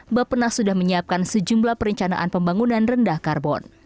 mbak penas sudah menyiapkan sejumlah perencanaan pembangunan rendah karbon